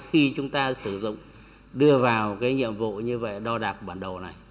khi chúng ta sử dụng đưa vào cái nhiệm vụ như vậy đo đạc bản đồ này